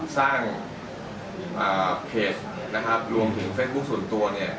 สร้างเพจรวมถึงเฟซบุ๊กส่วนตัว